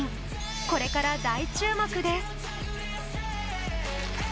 これから大注目です。